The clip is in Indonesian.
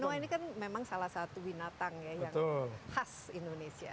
nah ini kan memang salah satu binatang ya yang khas indonesia